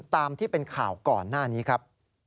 ตามที่เป็นข่าวก่อนหน้านี้ครับ